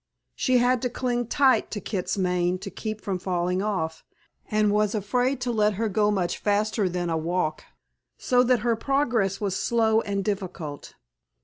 She had to cling tight to Kit's mane to keep from falling off, and was afraid to let her go much faster than a walk, so that her progress was slow and difficult.